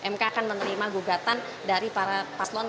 mk akan menerima gugatan dari para paslon